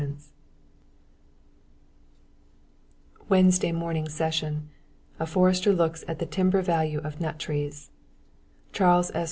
1948] WEDNESDAY MORNING SESSION A Forester Looks at the Timber Value of Nut Trees CHARLES S.